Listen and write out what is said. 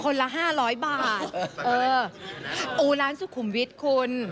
คนละ๕๐๐บาทโอ้ร้านสุขุมวิทย์คุณ